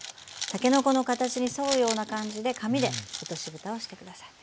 たけのこの形に沿うような感じで紙で落としぶたをしてください。